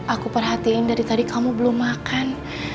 aku perhatiin dari tadi kamu belum makan